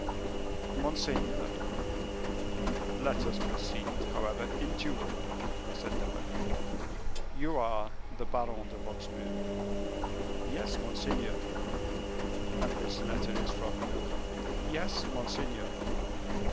"Monseigneur " "Let us proceed, however, in due order," said the monk. "You are the Baron de Wostpur?" "Yes, monseigneur." "And this letter is from you?" "Yes, monseigneur."